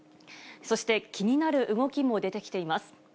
そして気になる動きも出てきています。